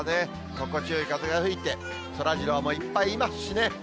心地よい風が吹いて、そらジローもいっぱいいますしね。